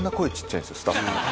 スタッフ。